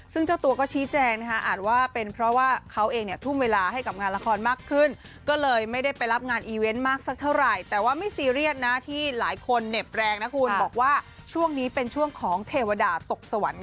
ซึ่งเจ้าตัวก็ชี้แจงนะคะอาจว่าเป็นเพราะว่าเขาเองเนี่ยทุ่มเวลาให้กับงานละครมากขึ้นก็เลยไม่ได้ไปรับงานอีเวนต์มากสักเท่าไหร่แต่ว่าไม่ซีเรียสนะที่หลายคนเหน็บแรงนะคุณบอกว่าช่วงนี้เป็นช่วงของเทวดาตกสวรรค์